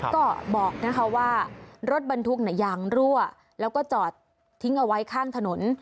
ก็บอกนะคะว่ารถบรรทุกยางรั่วแล้วก็จอดทิ้งเอาไว้ข้างถนน